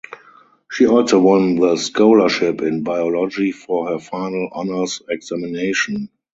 She also won the scholarship in biology for her final honours examination.